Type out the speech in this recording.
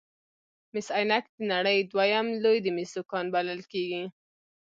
مس عینک د نړۍ دویم لوی د مسو کان بلل کیږي.